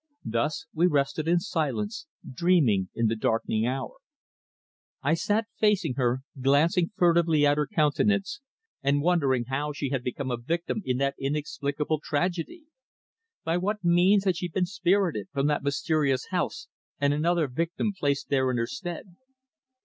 Thus we rested in silence, dreaming in the darkening hour. I sat facing her, glancing furtively at her countenance and wondering how she had become a victim in that inexplicable tragedy. By what means had she been spirited from that mysterious house and another victim placed there in her stead?